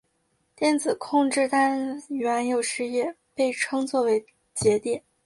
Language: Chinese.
电子控制单元有时也被称作节点。